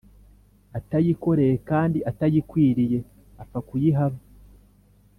atayikoreye kandi atayikwiriye apfa kuyihaba